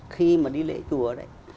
khi mà đi lễ chùa đấy